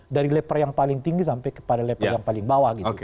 dari leper yang paling tinggi sampai kepada leper yang paling bawah gitu